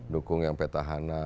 dukung yang petahana